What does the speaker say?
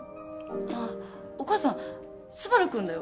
あっお母さん昴くんだよ。